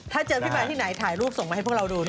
ถ้าเจอพี่แมนที่ไหนถ่ายรูปส่งมาให้พวกเราดู